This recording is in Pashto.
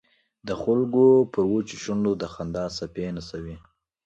د خلکو پر وچو شونډو د خندا څپې نڅوي.